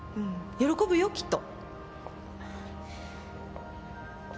喜ぶよきっと。